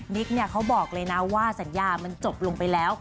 ิ๊กเนี่ยเขาบอกเลยนะว่าสัญญามันจบลงไปแล้ว